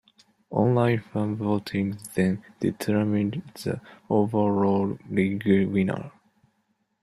Online fan voting then determined the overall League winner.